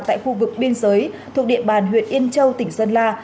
tại khu vực biên giới thuộc địa bàn huyện yên châu tỉnh sơn la